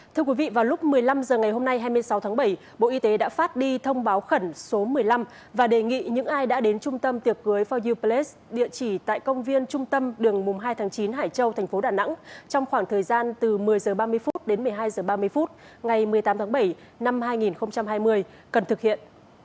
thưa quý vị vào lúc một mươi năm h ngày hôm nay hai mươi sáu tháng bảy bộ y tế đã phát đi thông báo khẩn số một mươi năm và đề nghị những ai đã đến trung tâm tiệc cưới for yuples địa chỉ tại công viên trung tâm đường mùng hai tháng chín hải châu thành phố đà nẵng trong khoảng thời gian từ một mươi h ba mươi đến một mươi hai h ba mươi phút ngày một mươi tám tháng bảy năm hai nghìn hai mươi cần thực hiện